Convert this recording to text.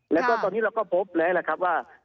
แล้วก็ตอนนี้เราก็พบแล้วล่ะครับว่า